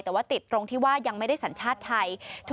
แต่ว่าติดตรงที่ว่ายังไม่ได้สัญชาติไทย